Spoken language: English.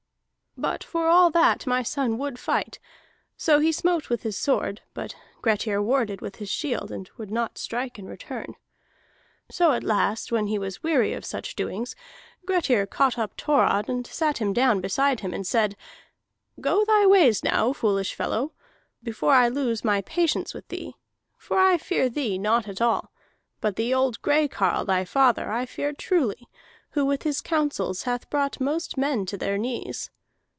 "But for all that my son would fight. So he smote with his sword, but Grettir warded with his shield and would not strike in return. So at last when he was weary of such doings, Grettir caught up Thorod and sat him down beside him, and said: 'Go thy ways now, foolish fellow, before I lose my patience with thee. For I fear thee not at all, but the old gray carle, thy father, I fear truly, who with his counsels hath brought most men to their knees.'